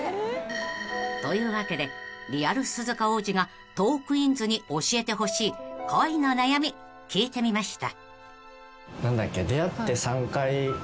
［というわけでリアル鈴鹿央士がトークィーンズに教えてほしい恋の悩み聞いてみました］